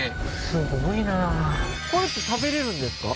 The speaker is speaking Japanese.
すごいなこれって食べれるんですか？